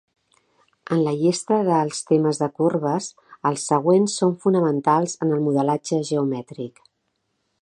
En la llista dels temes de corbes, els següents són fonamentals en el modelatge geomètric.